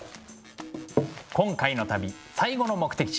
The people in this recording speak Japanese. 今回の旅最後の目的地